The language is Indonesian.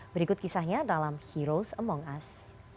berikut kisahnya dalam heroes among us